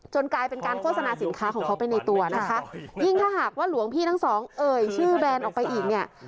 กลายเป็นการโฆษณาสินค้าของเขาไปในตัวนะคะยิ่งถ้าหากว่าหลวงพี่ทั้งสองเอ่ยชื่อแบรนด์ออกไปอีกเนี่ย